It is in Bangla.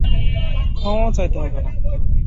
ক্ষমাও চাইতে হবে না।